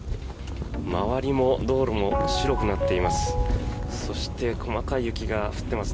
周りも道路も白くなっています。